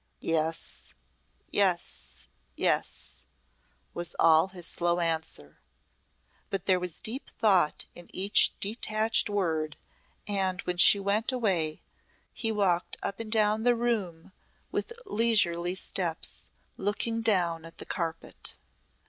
"Yes. Yes. Yes," was all his slow answer. But there was deep thought in each detached word and when she went away he walked up and down the room with leisurely steps, looking down at the carpet.